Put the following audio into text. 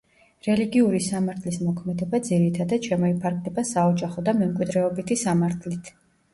რელიგიური სამართლის მოქმედება, ძირითადად, შემოიფარგლება საოჯახო და მემკვიდრეობითი სამართლით.